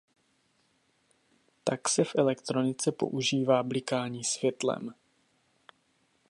tak se v elektronice používá blikání světlem.